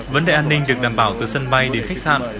vấn đề an ninh được đảm bảo từ sân bay đến khách sạn